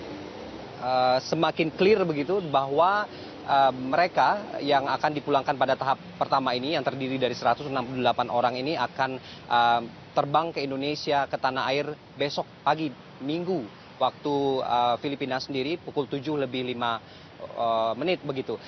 ini semakin clear begitu bahwa mereka yang akan dipulangkan pada tahap pertama ini yang terdiri dari satu ratus enam puluh delapan orang ini akan terbang ke indonesia ke tanah air besok pagi minggu waktu filipina sendiri pukul tujuh lebih lima menit begitu